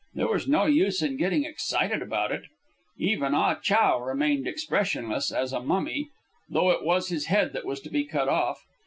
There was no use in getting excited about it. Even Ah Chow remained expressionless as a mummy, though it was his head that was to be cut off.